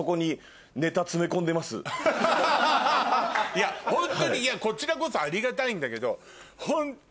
いやホントにこちらこそありがたいんだけど。